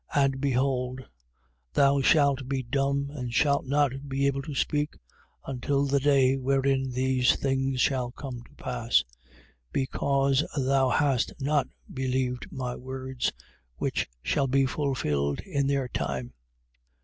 1:20. And behold, thou shalt be dumb and shalt not be able to speak until the day wherein these things shall come to pass: because thou hast not believed my words, which shall be fulfilled in their time.